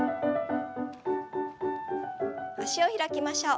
脚を開きましょう。